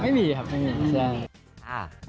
ไม่มีครับไม่มี